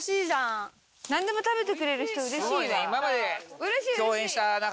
何でも食べてくれる人うれしいわ。